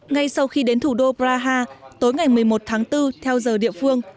ngay sau khi đến thủ đô praha tối ngày một mươi một tháng bốn theo giờ địa phương